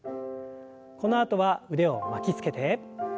このあとは腕を巻きつけて。